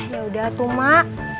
yaudah tuh emang